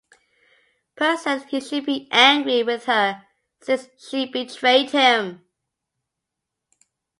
Pearl says he should be angry with her since she betrayed him.